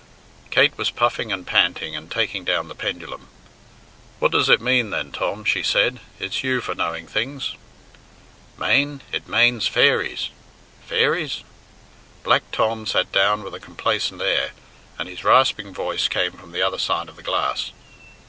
Kate was puffing and panting and taking down the pendulum. "What does it mean then, Tom?" she said; "it's you for knowing things." "Mane? It manes fairies!" "Fairies!" Black Tom sat down with a complacent air, and his rasping voice came from the other side of the glass.